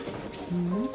うん？